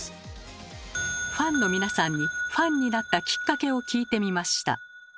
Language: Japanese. ファンの皆さんにファンになったきっかけを聞いてみました。